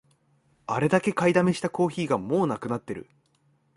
あれだけ買いだめしたコーヒーがもうなくなってる